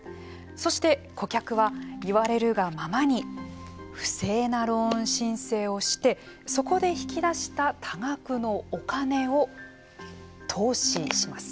そして、顧客は言われるがままに不正なローン申請をしてそこで引き出した多額のお金を投資します。